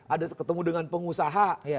ada ketemu dengan pengusaha